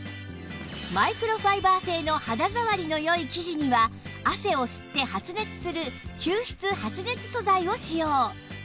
マイクロファイバー製の肌触りの良い生地には汗を吸って発熱する吸湿発熱素材を使用